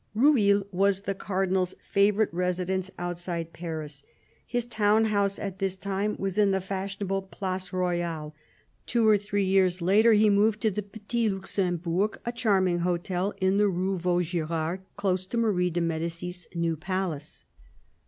Rueil was the Cardinal's favourite residence outside Paris. His town house at this time was in the fashionable Place Royale ; two or three years later he moved to the Petit Luxembourg, a charming hotel in the Rue Vaugirard, close to Marie de Medicis' new palace.